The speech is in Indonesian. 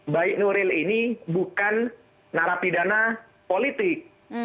baik nuril ini bukan narapidana politik